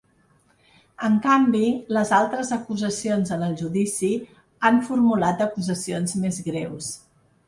En canvi, les altres acusacions en el judici han formulat acusacions més greus.